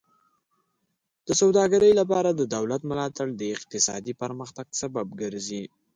د سوداګرۍ لپاره د دولت ملاتړ د اقتصادي پرمختګ سبب ګرځي.